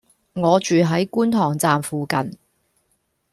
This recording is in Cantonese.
我住喺觀塘站附近